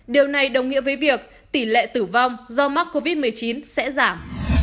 điều này đồng nghĩa với việc tỷ lệ tử vong do mắc covid một mươi chín sẽ giảm